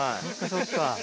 そっか。